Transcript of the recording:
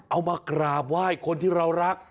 เอามากราบไหว้คนที่เรารัก